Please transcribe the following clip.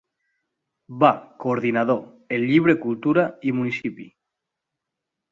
Va coordinador el llibre Cultura i municipi.